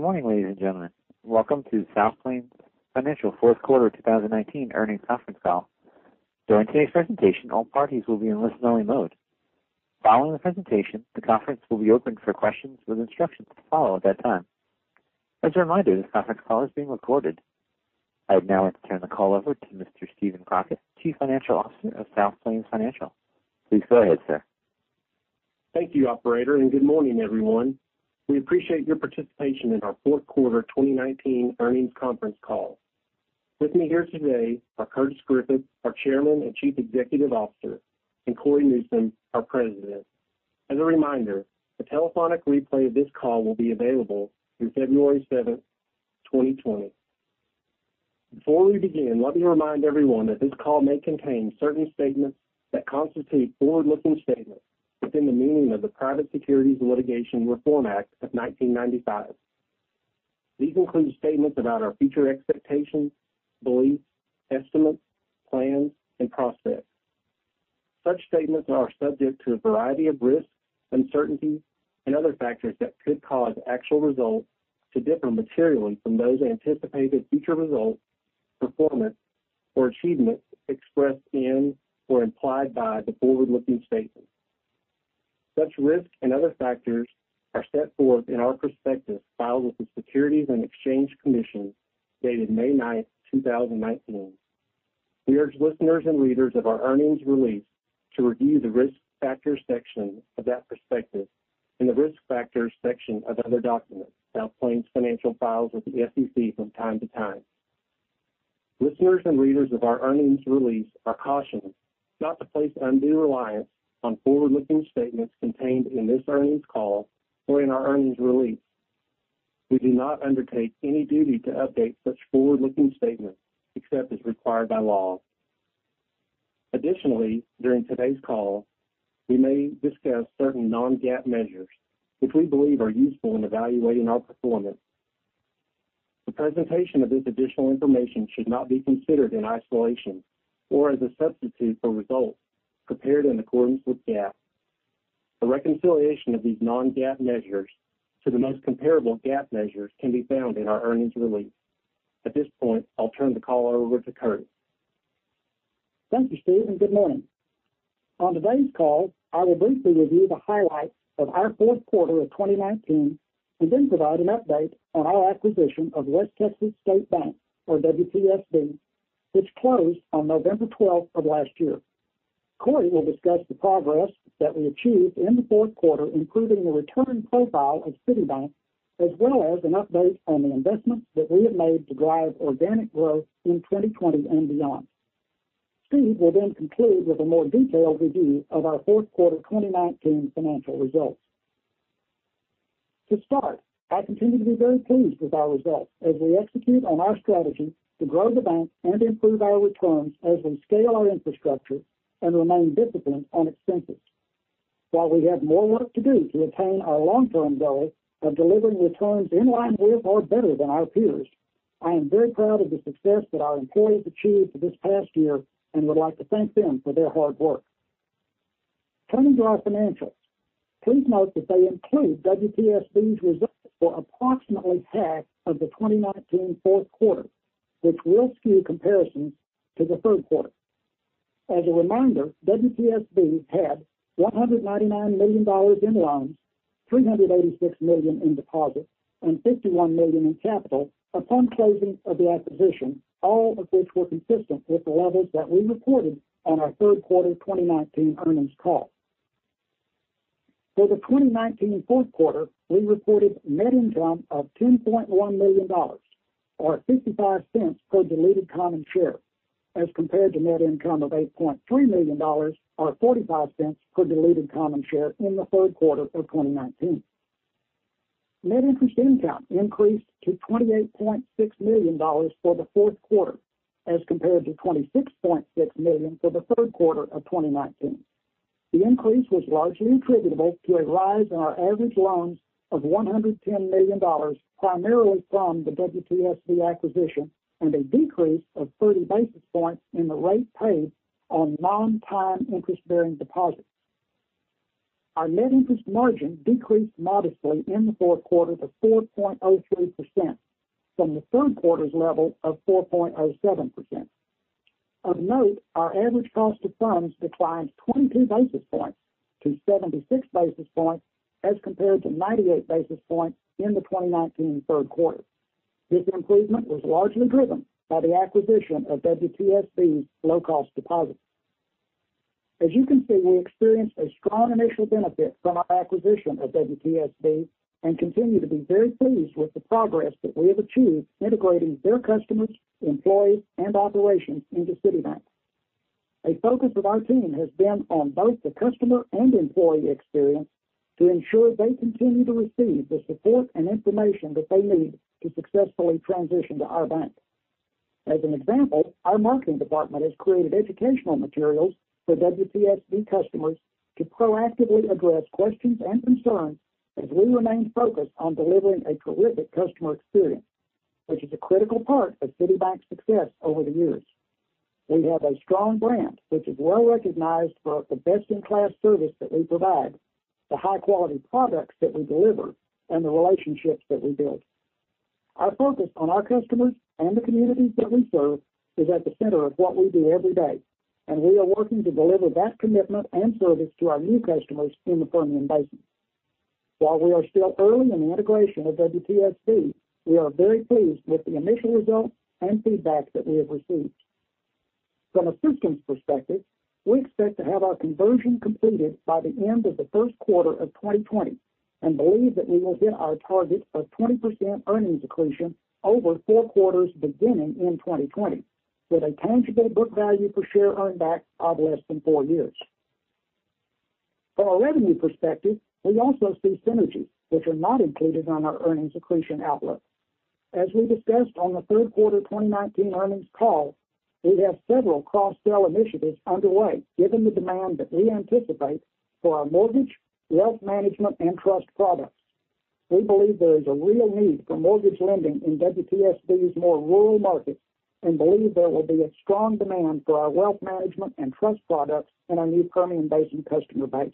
Good morning, ladies and gentlemen. Welcome to South Plains Financial Fourth Quarter 2019 Earnings Conference Call. During today's presentation, all parties will be in listen-only mode. Following the presentation, the conference will be opened for questions with instructions to follow at that time. As a reminder, this conference call is being recorded. I'd now like to turn the call over to Mr. Steven Crockett, Chief Financial Officer of South Plains Financial. Please go ahead, sir. Thank you, operator, and good morning, everyone. We appreciate your participation in our Fourth Quarter 2019 Earnings Conference Call. With me here today are Curtis Griffith, our Chairman and Chief Executive Officer, and Cory Newsom, our President. As a reminder, the telephonic replay of this call will be available through February 7th, 2020. Before we begin, let me remind everyone that this call may contain certain statements that constitute forward-looking statements within the meaning of the Private Securities Litigation Reform Act of 1995. These include statements about our future expectations, beliefs, estimates, plans, and prospects. Such statements are subject to a variety of risks, uncertainties, and other factors that could cause actual results to differ materially from those anticipated future results, performance, or achievements expressed in or implied by the forward-looking statements. Such risks and other factors are set forth in our prospectus filed with the Securities and Exchange Commission dated May 9th, 2019. We urge listeners and readers of our earnings release to review the Risk Factors section of that prospectus and the Risk Factors section of other documents South Plains Financial files with the SEC from time to time. Listeners and readers of our earnings release are cautioned not to place undue reliance on forward-looking statements contained in this earnings call or in our earnings release. We do not undertake any duty to update such forward-looking statements except as required by law. Additionally, during today's call, we may discuss certain non-GAAP measures which we believe are useful in evaluating our performance. The presentation of this additional information should not be considered in isolation or as a substitute for results prepared in accordance with GAAP. A reconciliation of these non-GAAP measures to the most comparable GAAP measures can be found in our earnings release. At this point, I'll turn the call over to Curtis. Thank you, Steve, and good morning. On today's call, I will briefly review the highlights of our fourth quarter of 2019 and then provide an update on our acquisition of West Texas State Bank, or WTSB, which closed on November 12th of last year. Cory will discuss the progress that we achieved in the fourth quarter, improving the return profile of City Bank, as well as an update on the investments that we have made to drive organic growth in 2020 and beyond. Steve will then conclude with a more detailed review of our fourth quarter 2019 financial results. To start, I continue to be very pleased with our results as we execute on our strategy to grow the bank and improve our returns as we scale our infrastructure and remain disciplined on expenses. While we have more work to do to attain our long-term goal of delivering returns in line with or better than our peers, I am very proud of the success that our employees achieved this past year and would like to thank them for their hard work. Turning to our financials, please note that they include WTSB's results for approximately half of the 2019 fourth quarter, which will skew comparisons to the third quarter. As a reminder, WTSB had $199 million in loans, $386 million in deposits, and $51 million in capital upon closing of the acquisition, all of which were consistent with the levels that we reported on our Third Quarter 2019 Earnings Call. For the 2019 fourth quarter, we reported net income of $10.1 million, or $0.55 per diluted common share, as compared to net income of $8.3 million, or $0.45 per diluted common share in the third quarter of 2019. Net interest income increased to $28.6 million for the fourth quarter as compared to $26.6 million for the third quarter of 2019. The increase was largely attributable to a rise in our average loans of $110 million, primarily from the WTSB acquisition, and a decrease of 30 basis points in the rate paid on non-time interest-bearing deposits. Our net interest margin decreased modestly in the fourth quarter to 4.03% from the third quarter's level of 4.07%. Of note, our average cost of funds declined 22 basis points to 76 basis points as compared to 98 basis points in the 2019 third quarter. This improvement was largely driven by the acquisition of WTSB's low-cost deposits. As you can see, we experienced a strong initial benefit from our acquisition of WTSB and continue to be very pleased with the progress that we have achieved integrating their customers, employees, and operations into City Bank. A focus of our team has been on both the customer and employee experience to ensure they continue to receive the support and information that they need to successfully transition to our bank. As an example, our marketing department has created educational materials for WTSB customers to proactively address questions and concerns as we remain focused on delivering a terrific customer experience, which is a critical part of City Bank's success over the years. We have a strong brand which is well recognized for the best-in-class service that we provide, the high-quality products that we deliver, and the relationships that we build. Our focus on our customers and the communities that we serve is at the center of what we do every day, and we are working to deliver that commitment and service to our new customers in the Permian Basin. While we are still early in the integration of WTSB, we are very pleased with the initial results and feedback that we have received. From a systems perspective, we expect to have our conversion completed by the end of the first quarter of 2020 and believe that we will hit our target of 20% earnings accretion over four quarters beginning in 2020, with a tangible book value per share earn back of less than four years. From a revenue perspective, we also see synergies which are not included on our earnings accretion outlook. As we discussed on the Third Quarter 2019 Earnings Call, we have several cross-sell initiatives underway given the demand that we anticipate for our mortgage, wealth management, and trust products. We believe there is a real need for mortgage lending in WTSB's more rural markets and believe there will be a strong demand for our wealth management and trust products in our new Permian Basin customer base.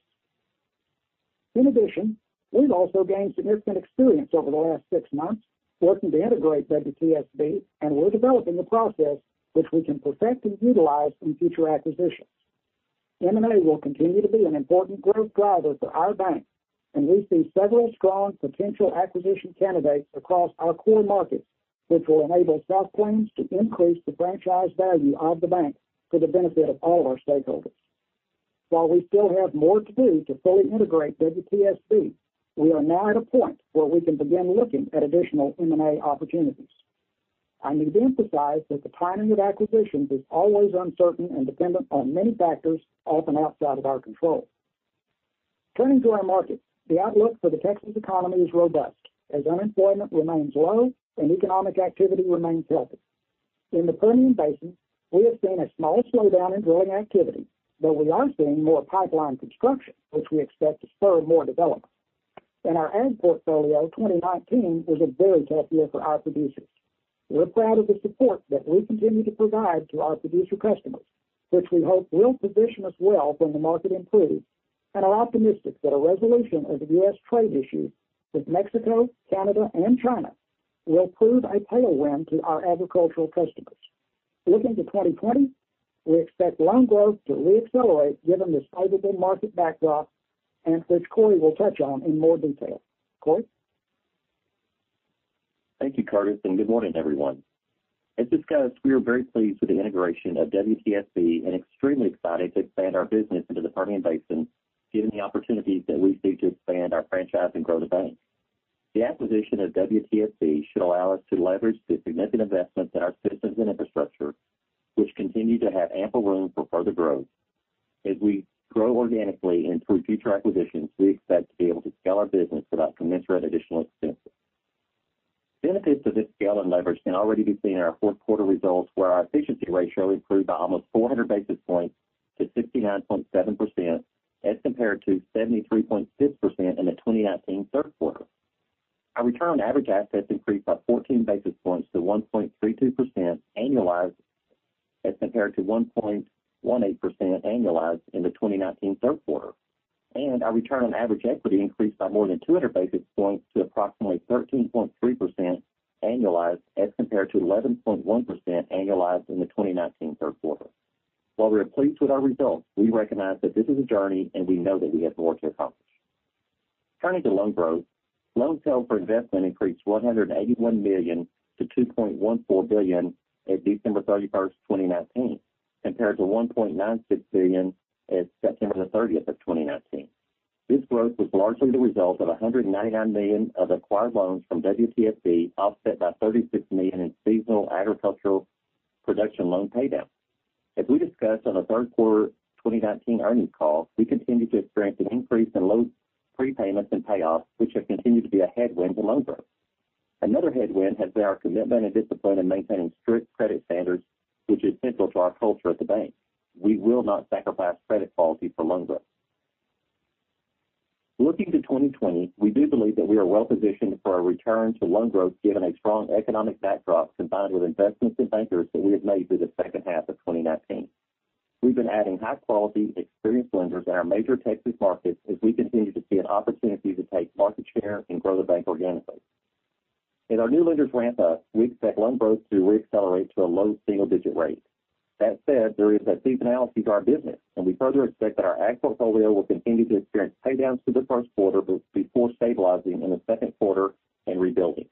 In addition, we've also gained significant experience over the last six months working to integrate WTSB, and we're developing a process which we can perfect and utilize in future acquisitions. M&A will continue to be an important growth driver for our bank, and we see several strong potential acquisition candidates across our core markets, which will enable South Plains to increase the franchise value of the bank for the benefit of all our stakeholders. While we still have more to do to fully integrate WTSB, we are now at a point where we can begin looking at additional M&A opportunities. I need to emphasize that the timing of acquisitions is always uncertain and dependent on many factors, often outside of our control. Turning to our markets, the outlook for the Texas economy is robust as unemployment remains low and economic activity remains healthy. In the Permian Basin, we have seen a small slowdown in drilling activity, though we are seeing more pipeline construction, which we expect to spur more development. In our ag portfolio, 2019 was a very tough year for our producers. We're proud of the support that we continue to provide to our producer customers, which we hope will position us well when the market improves, and are optimistic that a resolution of the U.S. trade issues with Mexico, Canada, and China will prove a tailwind to our agricultural customers. Looking to 2020, we expect loan growth to reaccelerate given this favorable market backdrop, which Cory will touch on in more detail. Cory? Thank you, Curtis, and good morning, everyone. As discussed, we are very pleased with the integration of WTSB and extremely excited to expand our business into the Permian Basin given the opportunities that we see to expand our franchise and grow the bank. The acquisition of WTSB should allow us to leverage the significant investments in our systems and infrastructure, which continue to have ample room for further growth. As we grow organically and through future acquisitions, we expect to be able to scale our business without commensurate additional expenses. Benefits of this scale and leverage can already be seen in our fourth quarter results, where our efficiency ratio improved by almost 400 basis points to 69.7% as compared to 73.6% in the 2019 third quarter. Our return on average assets increased by 14 basis points to 1.32% annualized as compared to 1.18% annualized in the 2019 third quarter. Our return on average equity increased by more than 200 basis points to approximately 13.3% annualized as compared to 11.1% annualized in the 2019 third quarter. While we are pleased with our results, we recognize that this is a journey, and we know that we have more to accomplish. Turning to loan growth, loans held for investment increased $181 million to $2.14 billion at December 31st, 2019, compared to $1.96 billion at September 30th, 2019. This growth was largely the result of $199 million of acquired loans from WTSB, offset by $36 million in seasonal agricultural production loan paydown. As we discussed on the Third Quarter 2019 Earnings Call, we continue to experience an increase in loan prepayments and payoffs, which have continued to be a headwind to loan growth. Another headwind has been our commitment and discipline in maintaining strict credit standards, which is central to our culture at the bank. We will not sacrifice credit quality for loan growth. Looking to 2020, we do believe that we are well-positioned for a return to loan growth given a strong economic backdrop combined with investments in bankers that we have made through the second half of 2019. We've been adding high-quality, experienced lenders in our major Texas markets as we continue to see an opportunity to take market share and grow the bank organically. In our new lenders' ramp-up, we expect loan growth to reaccelerate to a low single-digit rate. That said, there is a seasonality to our business, and we further expect that our ag portfolio will continue to experience paydowns through the first quarter before stabilizing in the second quarter and rebuilding.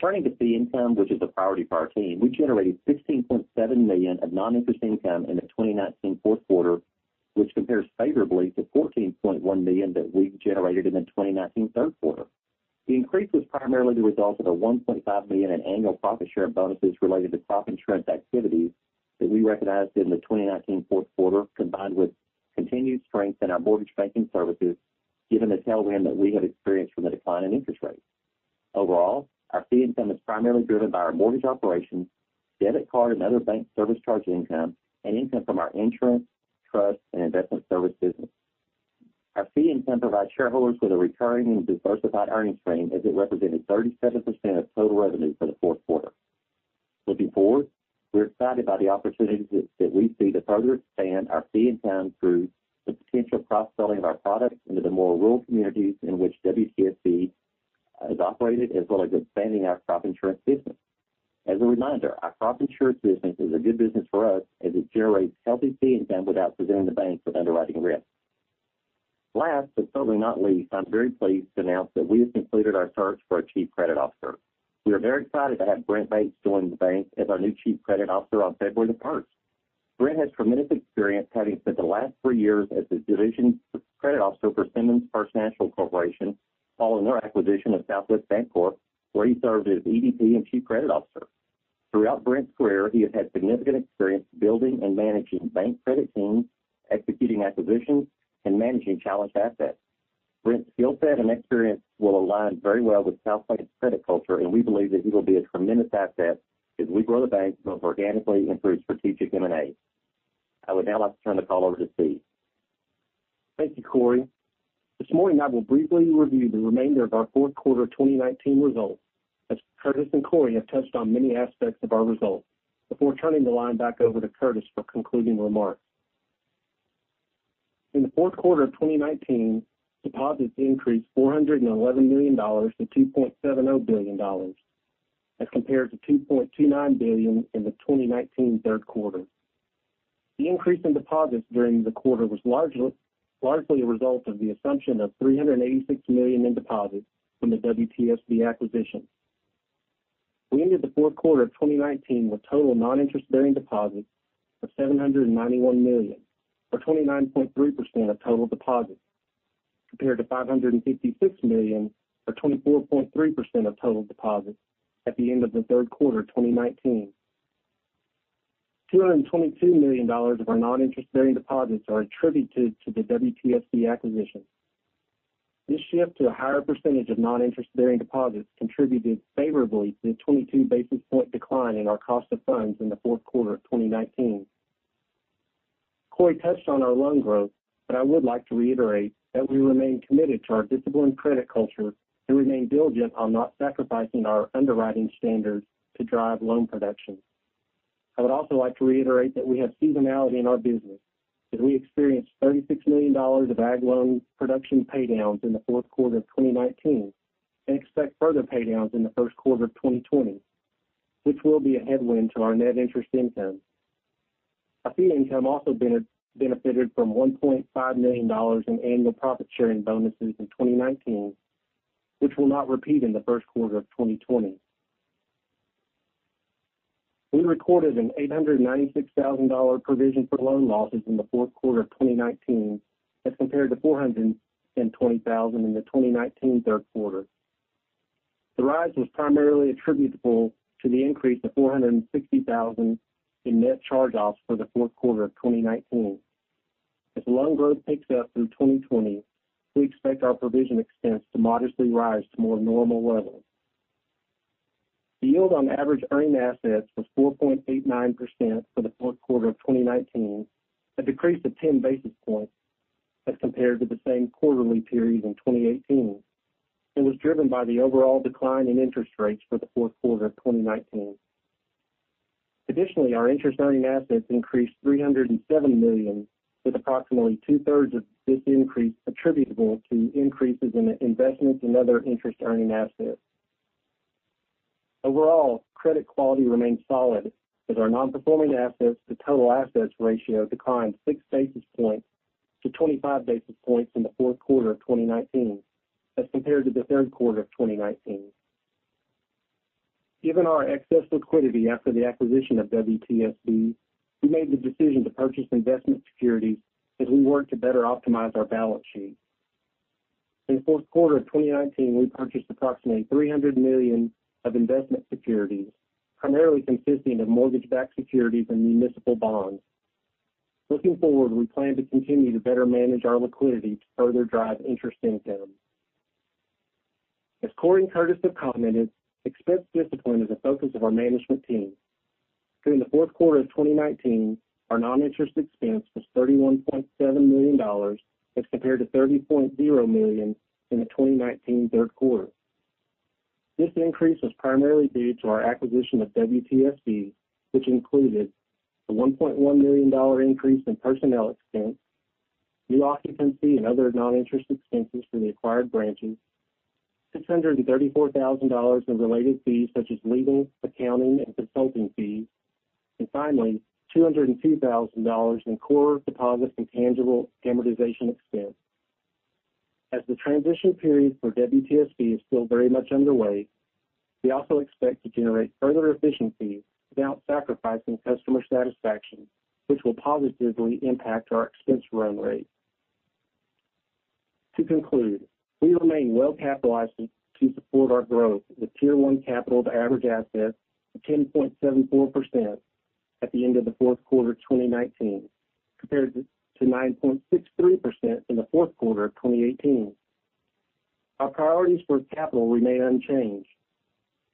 Turning to fee income, which is a priority for our team, we generated $16.7 million of noninterest income in the 2019 fourth quarter, which compares favorably to $14.1 million that we generated in the 2019 third quarter. The increase was primarily the result of a $1.5 million in annual profit share bonuses related to crop insurance activities that we recognized in the 2019 fourth quarter, combined with continued strength in our mortgage banking services, given the tailwind that we have experienced from the decline in interest rates. Overall, our fee income is primarily driven by our mortgage operations, debit card, and other bank service charge income, and income from our insurance, trust, and investment service business. Our fee income provides shareholders with a recurring and diversified earnings stream as it represented 37% of total revenue for the fourth quarter. Looking forward, we're excited by the opportunities that we see to further expand our fee income through the potential cross-selling of our products into the more rural communities in which WTSB has operated, as well as expanding our crop insurance business. As a reminder, our crop insurance business is a good business for us as it generates healthy fee income without presenting the bank with underwriting risk. Last, but certainly not least, I'm very pleased to announce that we have completed our search for a Chief Credit Officer. We are very excited to have Brent Bates join the bank as our new Chief Credit Officer on February the 1st. Brent has tremendous experience, having spent the last three years as the Division Credit Officer for Simmons First National Corporation, following their acquisition of Southwest Bancorp, where he served as EVP and Chief Credit Officer. Throughout Brent's career, he has had significant experience building and managing bank credit teams, executing acquisitions, and managing challenged assets. Brent's skillset and experience will align very well with South Plains' credit culture, and we believe that he will be a tremendous asset as we grow the bank both organically and through strategic M&A. I would now like to turn the call over to Steve. Thank you, Cory. This morning, I will briefly review the remainder of our fourth quarter 2019 results, as Curtis and Cory have touched on many aspects of our results, before turning the line back over to Curtis for concluding remarks. In the fourth quarter of 2019, deposits increased $411 million to $2.70 billion as compared to $2.29 billion in the 2019 third quarter. The increase in deposits during the quarter was largely a result of the assumption of $386 million in deposits from the WTSB acquisition. We ended the fourth quarter of 2019 with total non-interest-bearing deposits of $791 million, or 29.3% of total deposits, compared to $556 million or 24.3% of total deposits at the end of the third quarter 2019. $222 million of our non-interest-bearing deposits are attributed to the WTSB acquisition. This shift to a higher percentage of non-interest-bearing deposits contributed favorably to the 22-basis-point decline in our cost of funds in the fourth quarter of 2019. Cory touched on our loan growth, but I would like to reiterate that we remain committed to our disciplined credit culture and remain diligent on not sacrificing our underwriting standards to drive loan production. I would also like to reiterate that we have seasonality in our business, as we experienced $36 million of ag loan production paydowns in the fourth quarter of 2019 and expect further paydowns in the first quarter of 2020, which will be a headwind to our net interest income. Our fee income also benefited from $1.5 million in annual profit-sharing bonuses in 2019, which will not repeat in the first quarter of 2020. We recorded an $896,000 provision for loan losses in the fourth quarter of 2019 as compared to $420,000 in the 2019 third quarter. The rise was primarily attributable to the increase of $460,000 in net charge-offs for the fourth quarter of 2019. As loan growth picks up through 2020, we expect our provision expense to modestly rise to more normal levels. The yield on average earning assets was 4.89% for the fourth quarter of 2019, a decrease of 10 basis points as compared to the same quarterly period in 2018, and was driven by the overall decline in interest rates for the fourth quarter of 2019. Additionally, our interest-earning assets increased $307 million, with approximately two-thirds of this increase attributable to increases in investments and other interest-earning assets. Overall, credit quality remains solid as our non-performing assets to total assets ratio declined 6 basis points to 25 basis points in the fourth quarter of 2019 as compared to the third quarter of 2019. Given our excess liquidity after the acquisition of WTSB, we made the decision to purchase investment securities as we work to better optimize our balance sheet. In the fourth quarter of 2019, we purchased approximately $300 million of investment securities, primarily consisting of mortgage-backed securities and municipal bonds. Looking forward, we plan to continue to better manage our liquidity to further drive interest income. As Cory and Curtis have commented, expense discipline is a focus of our management team. During the fourth quarter of 2019, our non-interest expense was $31.7 million as compared to $30.0 million in the 2019 third quarter. This increase was primarily due to our acquisition of WTSB, which included a $1.1 million increase in personnel expense, new occupancy and other noninterest expense from the acquired branches, $634,000 in related fees such as legal, accounting, and consulting fees, and finally, $202,000 in core deposit and tangible amortization expense. As the transition period for WTSB is still very much underway, we also expect to generate further efficiencies without sacrificing customer satisfaction, which will positively impact our expense run rate. To conclude, we remain well-capitalized to support our growth with Tier 1 capital to average assets of 10.74% at the end of the fourth quarter 2019, compared to 9.63% in the fourth quarter of 2018. Our priorities for capital remain unchanged.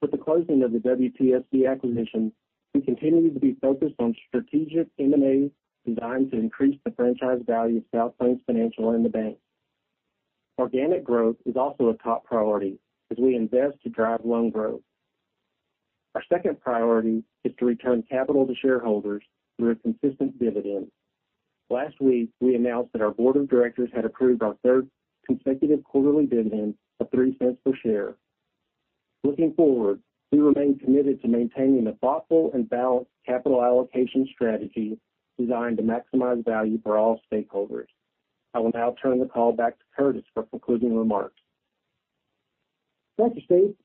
With the closing of the WTSB acquisition, we continue to be focused on strategic M&As designed to increase the franchise value of South Plains Financial and the bank. Organic growth is also a top priority as we invest to drive loan growth. Our second priority is to return capital to shareholders through a consistent dividend. Last week, we announced that our board of directors had approved our third consecutive quarterly dividend of $0.03 per share. Looking forward, we remain committed to maintaining a thoughtful and balanced capital allocation strategy designed to maximize value for all stakeholders. I will now turn the call back to Curtis for concluding remarks. Thank you, Steve.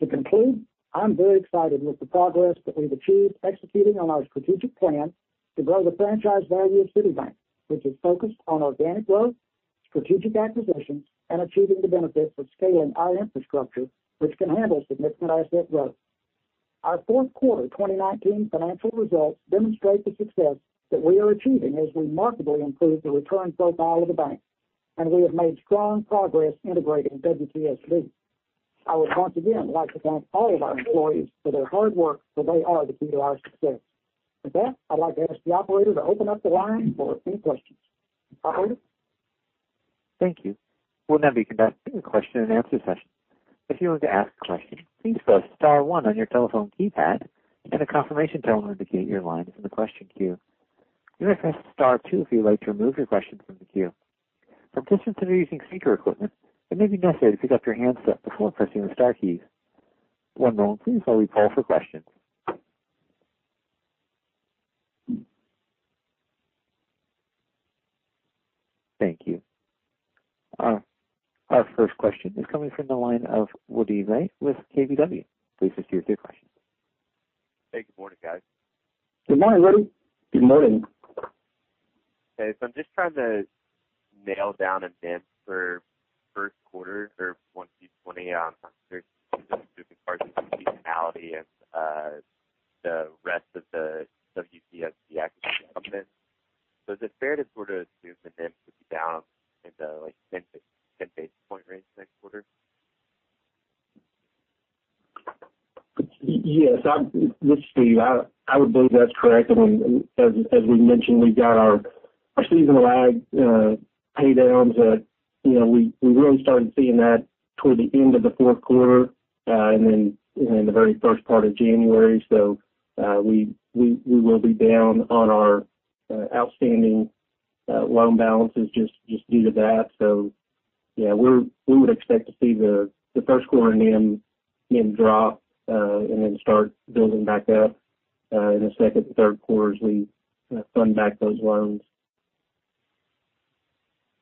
To conclude, I'm very excited with the progress that we've achieved executing on our strategic plan to grow the franchise value of City Bank, which is focused on organic growth, strategic acquisitions, and achieving the benefits of scaling our infrastructure, which can handle significant asset growth. Our fourth quarter 2019 financial results demonstrate the success that we are achieving as we markedly improve the return profile of the bank, and we have made strong progress integrating WTSB. I would once again like to thank all of our employees for their hard work, for they are the key to our success. With that, I'd like to ask the operator to open up the line for any questions. Operator? Thank you. We'll now be conducting a question and answer session. If you want to ask a question, please press star one on your telephone keypad, and a confirmation tone will indicate your line is in the question queue. You may press star two if you'd like to remove your question from the queue. For participants that are using speaker equipment, it may be necessary to pick up your handset before pressing the star keys. One moment please while we call for questions. Thank you. Our first question is coming from the line of Woody Lay with KBW. Please proceed with your question. Hey, good morning, guys. Good morning, Woody. Good morning. I'm just trying to nail down NIM for first quarter for 2020 on seasonality and the rest of the WTSB acquisition coming in. Is it fair to assume that NIM could be down in the, like, 10 basis point range next quarter? Yes. This is Steve. I would believe that's correct. I mean, as we mentioned, we've got our seasonal ag paydowns. We really started seeing that toward the end of the fourth quarter, and then the very first part of January. We will be down on our outstanding loan balances just due to that. Yeah, we would expect to see the first quarter NIM drop, and then start building back up in the second and third quarters as we fund back those loans.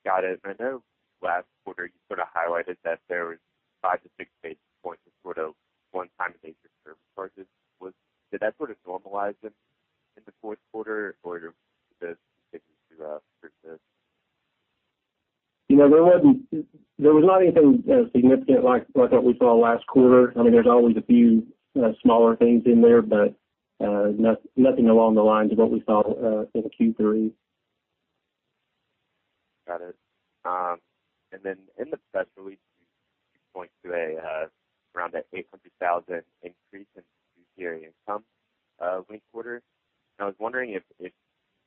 Got it. I know last quarter you highlighted that there was 5-6 basis points of one-time nature charges. Did that normalize in the fourth quarter or? There was nothing significant like what we saw last quarter. I mean, there's always a few smaller things in there, but nothing along the lines of what we saw in Q3. Got it. In the press release, you point to around a $800,000 increase in fee and income linked quarter. I was wondering if you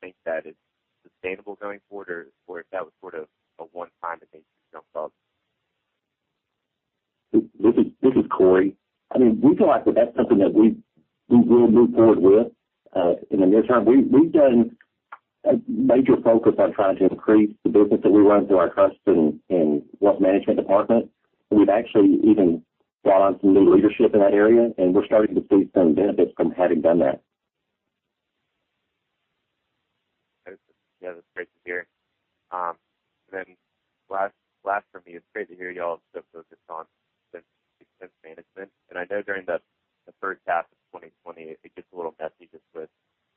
think that is sustainable going forward or if that was a one-time. This is Cory. I mean, we feel like that's something that we will move forward with in the near term. We've done a major focus on trying to increase the business that we run through our trust and wealth management department. We've actually even brought on some new leadership in that area, and we're starting to see some benefits from having done that. Yeah, that's great to hear. Last from me. It's great to hear you all are so focused on expense management. I know during the first half of 2020, it gets a little messy just with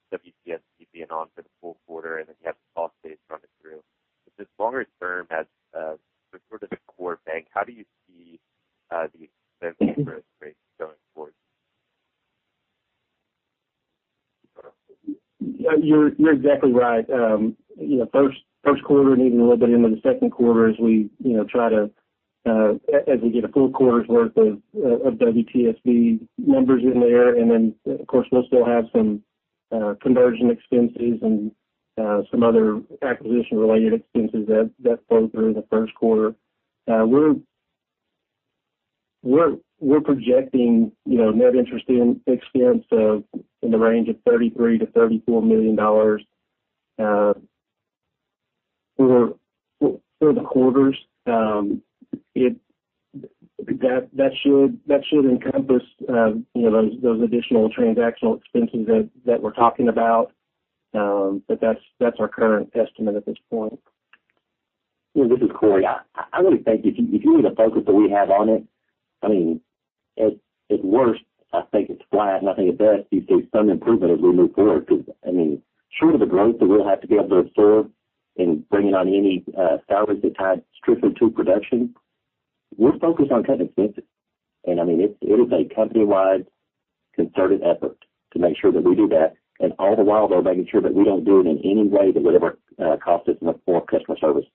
WTSB being on for the full quarter, and then you have the cost base running through. This longer term as sort of a core bank, how do you see the expense growth rate going forward? You're exactly right. First quarter and even a little bit into the second quarter as we get a full quarter's worth of WTSB numbers in there, and then of course, we'll still have some conversion expenses and some other acquisition-related expenses that flow through the first quarter. We're projecting net interest expense in the range of $33 million-$34 million for the quarters. That should encompass those additional transactional expenses that we're talking about. That's our current estimate at this point. Yeah, this is Cory. I really think if you look at the focus that we have on it, I mean, at worst, I think it's flat, and I think at best, you see some improvement as we move forward because, I mean, sure, the growth that we'll have to be able to absorb in bringing on any salaries that tied strictly to production, we're focused on cutting expenses. I mean, it is a company-wide concerted effort to make sure that we do that, and all the while, though, making sure that we don't do it in any way that would ever cost us more customer service.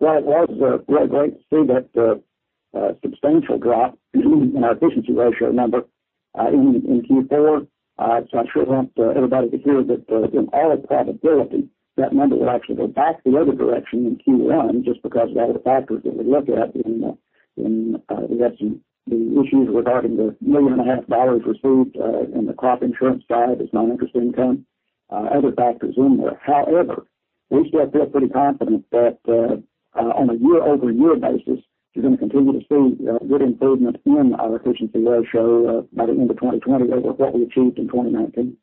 It was, Greg, great to see that substantial drop in our efficiency ratio number in Q4. I sure don't want everybody to hear that in all probability, that number will actually go back the other direction in Q1 just because of all the factors that we looked at in the issues regarding the $1.5 million received in the crop insurance side as non-interest income, other factors in there. However, we still feel pretty confident that on a year-over-year basis, you're going to continue to see good improvement in our efficiency ratio by the end of 2020 over what we achieved in 2019.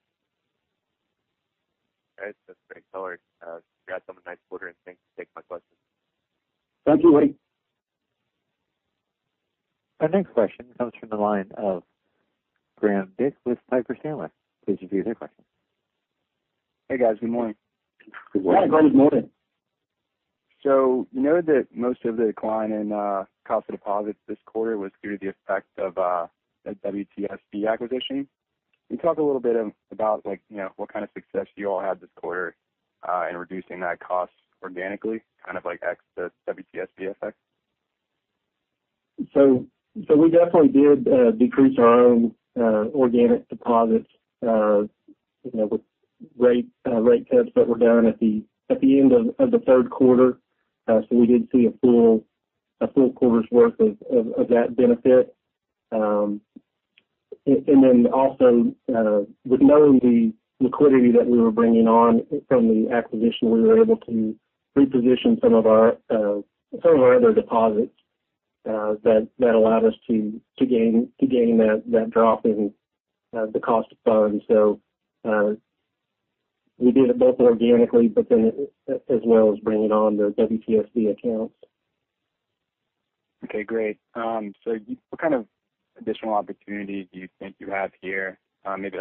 Great. That's great color. Congrats on the nice quarter, and thanks for taking my questions. Thank you. Our next question comes from the line of Graham Dick with Piper Sandler. Please proceed with your question. Hey, guys. Good morning. Good morning. Hi, Graham. Good morning. You noted that most of the decline in cost of deposits this quarter was due to the effect of that WTSB acquisition. Can you talk a little bit about what kind of success you all had this quarter in reducing that cost organically, kind of ex the WTSB effect? We definitely did decrease our own organic deposits with rate cuts that were down at the end of the third quarter. We did see a full quarter's worth of that benefit. Also, with knowing the liquidity that we were bringing on from the acquisition, we were able to reposition some of our other deposits that allowed us to gain that drop in the cost of funds. We did it both organically, but then as well as bringing on the WTSB accounts. Okay, great. What kind of additional opportunities do you think you have here? Maybe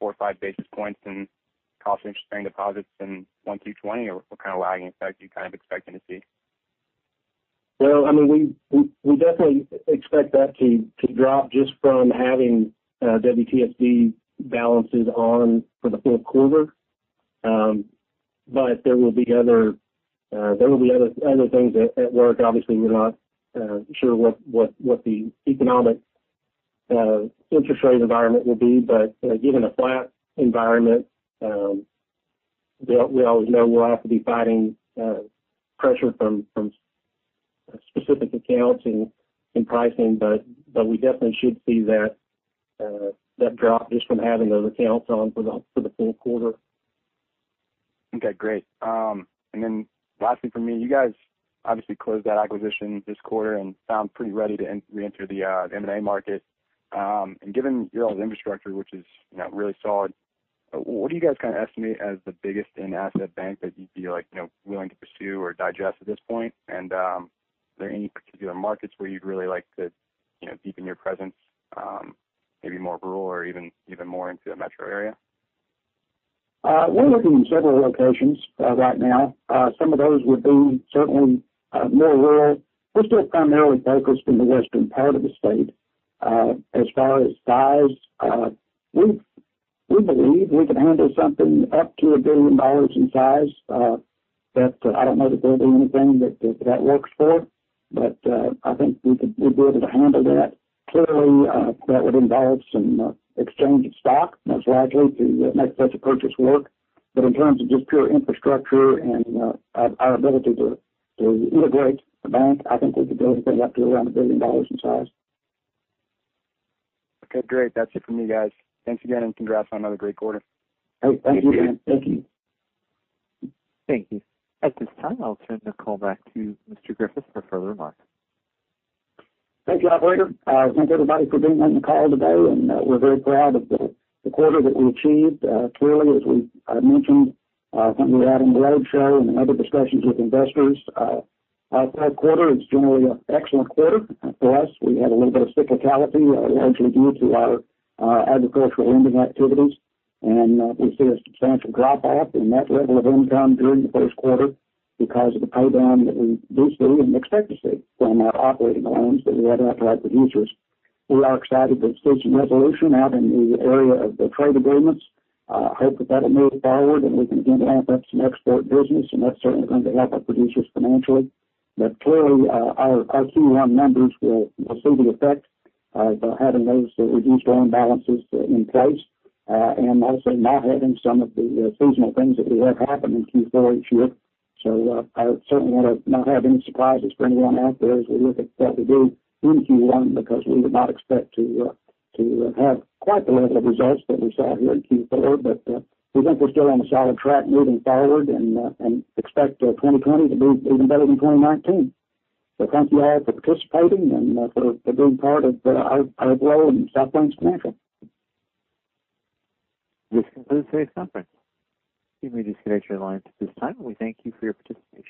four or five basis points in cost of interest-bearing deposits in 1Q 2020, or what kind of lagging effect are you kind of expecting to see? Well, we definitely expect that to drop just from having WTSB balances on for the fourth quarter. There will be other things at work. Obviously, we're not sure what the economic interest rate environment will be. Given a flat environment, we always know we'll have to be fighting pressure from specific accounts in pricing. We definitely should see that drop just from having those accounts on for the full quarter. Okay, great. Lastly, from me, you guys obviously closed that acquisition this quarter and sound pretty ready to reenter the M&A market. Given your all's infrastructure, which is really solid, what do you guys kind of estimate as the biggest in asset bank that you'd be willing to pursue or digest at this point? Are there any particular markets where you'd really like to deepen your presence, maybe more rural or even more into a metro area? We're looking in several locations right now. Some of those would be certainly more rural. We're still primarily focused in the western part of the state. As far as size, we believe we can handle something up to $1 billion in size. I don't know that there'll be anything that works for it. I think we'd be able to handle that. Clearly, that would involve some exchange of stock, most likely, to make such a purchase work. In terms of just pure infrastructure and our ability to integrate a bank, I think we could go up to around $1 billion in size. Okay, great. That's it from me, guys. Thanks again, and congrats on another great quarter. Oh, thank you, Graham. Thank you. Thank you. At this time, I'll turn the call back to Mr. Griffith for further remarks. Thank you, operator. Thanks, everybody, for being on the call today, and we're very proud of the quarter that we achieved. Clearly, as we mentioned when we were out on the road show and in other discussions with investors, our third quarter is generally an excellent quarter for us. We had a little bit of cyclicality, largely due to our agricultural lending activities, and we see a substantial drop-off in that level of income during the first quarter because of the pay-down that we do see and expect to see from our operating loans that we have out to our producers. We are excited there seems some resolution out in the area of the trade agreements. We hope that, that will move forward and we can again ramp up some export business, and that's certainly going to help our producers financially. Clearly, our Q1 numbers will see the effect of having those reduced loan balances in place, and also not having some of the seasonal things that we have happen in Q4 each year. I certainly want to not have any surprises for anyone out there as we look at what we do in Q1 because we would not expect to have quite the level of results that we saw here in Q4. We think we're still on a solid track moving forward and expect 2020 to be even better than 2019. Thank you all for participating and for being part of our growth in South Plains Financial. This concludes today's conference. You may disconnect your lines at this time. We thank you for your participation.